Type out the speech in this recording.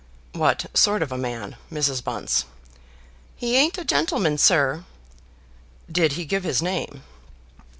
"What sort of a man, Mrs. Bunce?" "He ain't a gentleman, sir." "Did he give his name?"